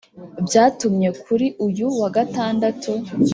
Byatumye kuri uyu wa Gatandatu